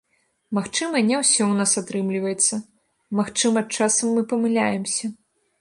Магчыма, не ўсё ў нас атрымліваецца, магчыма, часам мы памыляемся.